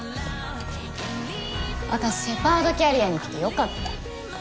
私シェパードキャリアに来て良かった。